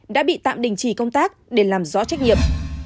đã bị tạm đình chỉ công tác để làm rõ trách nhiệm